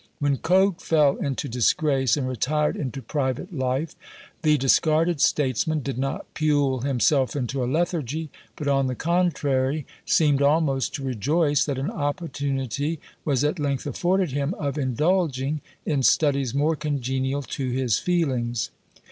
When Coke fell into disgrace, and retired into private life, the discarded statesman did not pule himself into a lethargy, but on the contrary seemed almost to rejoice that an opportunity was at length afforded him of indulging in studies more congenial to his feelings.